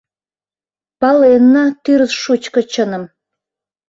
Паленна тӱрыс шучко чыным.